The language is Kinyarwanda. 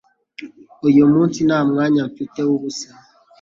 Uyu munsi nta mwanya mfite w'ubusa